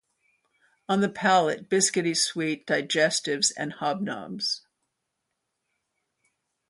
On the palate, biscuity sweet, digestives and hobnobs.